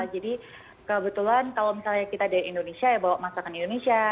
jadi kebetulan kalau misalnya kita dari indonesia ya bawa masakan indonesia